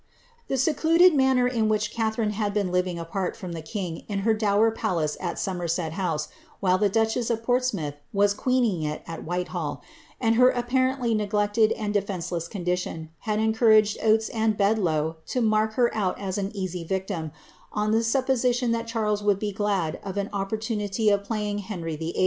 The secluded manner in whicii Catharine had been living apart from the king in her dower palace at Somerset House, while the duchess of Portsmouth was queening it at Whitehall, and her apparently neglected and defenceless condition, had encouraged Oates and Bedloe to mark her out as an easy victim, on the supposition that Charles would be glad of an opportunity of playing Henry VIII.